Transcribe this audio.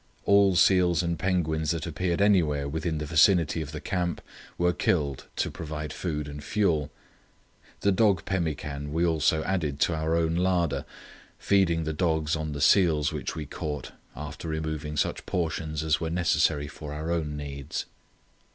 All seals and penguins that appeared anywhere within the vicinity of the camp were killed to provide food and fuel. The dog pemmican we also added to our own larder, feeding the dogs on the seals which we caught, after removing such portions as were necessary for our own needs.